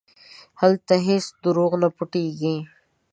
هلته هېڅ دروغ نه پټېږي.